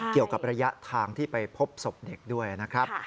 เกี่ยวกับระยะทางที่ไปพบศพเด็กด้วยนะครับ